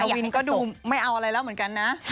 วินก็ดูไม่เอาอะไรแล้วเหมือนกันนะ